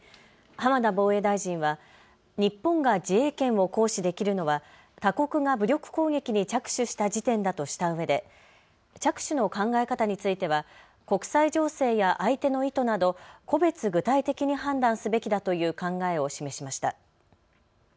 浜田防衛大臣は日本が自衛権を行使できるのは他国が武力攻撃に着手した時点だとしたうえで着手の考え方については国際情勢や相手の意図など個別具体的に判断すべきだという考えを示しました。